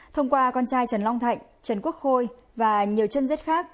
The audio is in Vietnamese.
thông qua con trai trần long thạnh trần quốc khôi và nhiều chân rết khác